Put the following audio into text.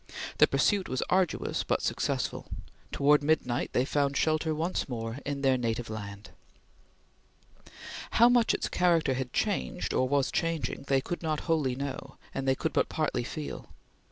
The pursuit was arduous but successful. Towards midnight they found shelter once more in their native land. How much its character had changed or was changing, they could not wholly know, and they could but partly feel.